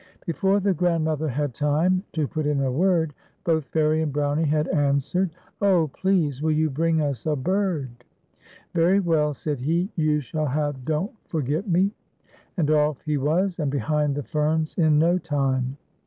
" Before the grandmother had time to put in a word, both Fairie and Brownie had answered :" Oh, please, will you bring us a bird ?"" Very well," said he, " you shall have ' Don't Forget j\Ie.'" And off he was, and behind the ferns in no time.